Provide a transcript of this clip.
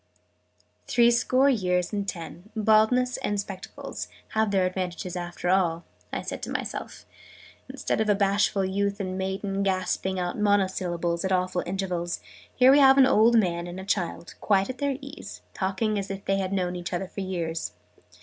"Three score years and ten, baldness, and spectacles, have their advantages after all!", I said to myself. "Instead of a bashful youth and maiden, gasping out monosyllables at awful intervals, here we have an old man and a child, quite at their ease, talking as if they had known each other for years!